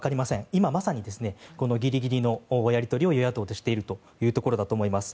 今まさにギリギリのやり取りを与野党でしているというところだと思います。